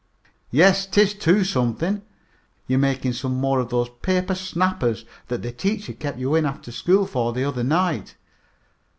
"Yes, 'tis too something. You're making some more of those paper snappers that the teacher kept you in after school for the other night.